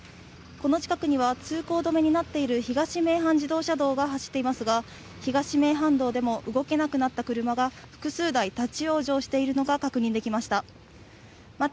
この近くには通行止めになっている東名阪自動車道が走っていますが東名阪道でも動けなくなった車が複数台立往生しているのが確認できました。